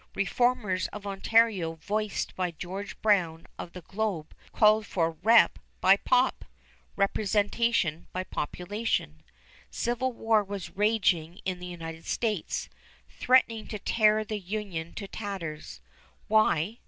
Reformers of Ontario, voiced by George Brown of The Globe, called for "Rep. by Pop.," representation by population. Civil war was raging in the United States, threatening to tear the Union to tatters. Why?